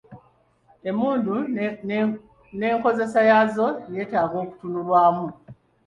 Emmundu n’enkozesa yaazo yeetaaga okutunulwamu.